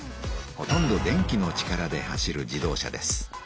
ほとんど電気の力で走る自動車です。